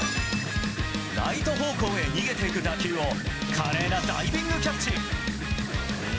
ライト方向へ逃げていく打球を、華麗なダイビングキャッチ。